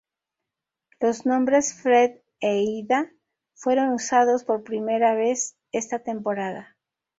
Los nombres Fred e Ida fueron usados por primera vez esta temporada.